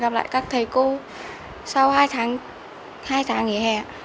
gặp lại các thầy cô sau hai tháng nghỉ hè